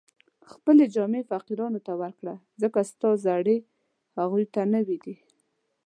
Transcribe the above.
خپلې جامې فقیرانو ته ورکړه، ځکه ستا زړې هغو ته نوې دي